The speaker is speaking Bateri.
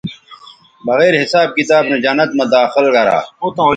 بغیر حساب کتاب نو جنت مہ داخل گرا